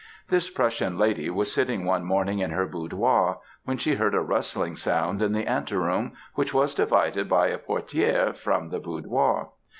This Prussian lady was sitting one morning in her boudoir, when she heard a rustling sound in the ante room, which was divided by a portière from the boudoir.